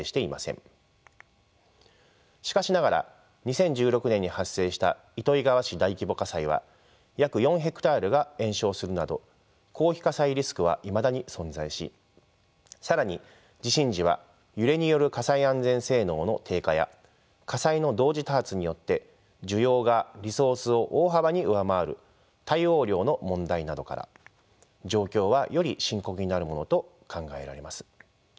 しかしながら２０１６年に発生した糸魚川市大規模火災は約４ヘクタールが延焼するなど広域火災リスクはいまだに存在し更に地震時は揺れによる火災安全性能の低下や火災の同時多発によって需要がリソースを大幅に上回る対応量の問題などから状況はより深刻になるものと考えられます。